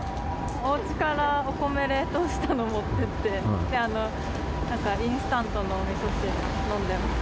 おうちからお米冷凍したの持ってって、なんかインスタントのおみそ汁飲んでます。